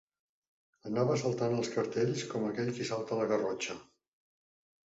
Anava saltant els cartells com aquell qui salta la garrotxa